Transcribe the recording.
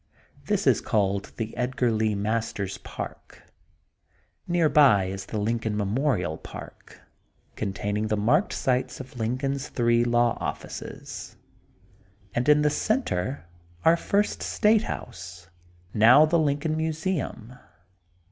This is called the Edgar Lee Masters Park. Near by is the Lincoln Memorial Park, containing the marked sites of Lincoln's three law offices, and in the center our first State House, now the Lincoln museum.